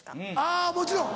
あぁもちろん！